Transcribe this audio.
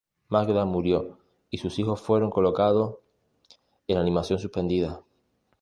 Magda murió y sus hijos fueron colocados en animación suspendida.